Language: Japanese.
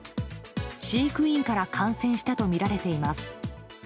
飼育員から感染したとみられています。